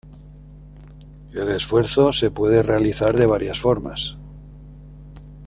El esfuerzo se puede realizar de varias formas.